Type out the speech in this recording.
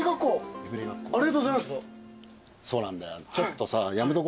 そうなんだよ。